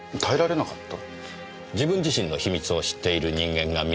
自分自身の秘密を知っている人間が身近にいる。